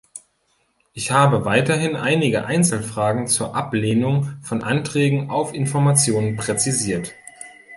Ich habe weiterhin einige Einzelfragen zur Ablehnung von Anträgen auf Information präzisiert.